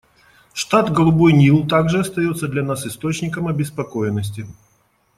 Штат Голубой Нил также остается для нас источником обеспокоенности.